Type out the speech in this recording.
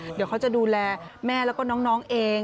เดี๋ยวเขาจะดูแลแม่แล้วก็น้องเอง